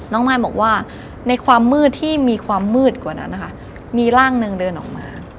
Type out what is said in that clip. มายบอกว่าในความมืดที่มีความมืดกว่านั้นนะคะมีร่างหนึ่งเดินออกมา